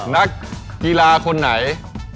นักกีฬาคนไหน